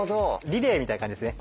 リレーみたいな感じですね。